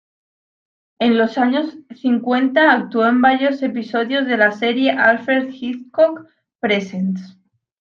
En los años cincuenta actuó en varios episodios de la serie "Alfred Hitchcock presents".